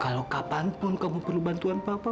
kalau kapanpun kamu perlu bantuan papa